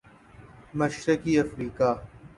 مشرقی افریقہ